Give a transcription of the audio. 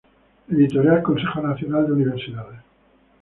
Editorial Consejo Nacional de Universidades.